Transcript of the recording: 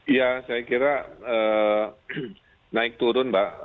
ya saya kira naik turun mbak